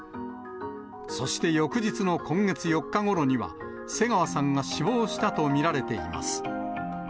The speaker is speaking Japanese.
そして翌日の今月４日ごろには、瀬川さんが死亡したと見られています。